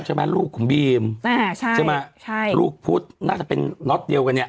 ใช่ไหมลูกของบิมอ่าใช่ใช่ไหมใช่ลูกพุธน่าจะเป็นรถเดียวกันนี่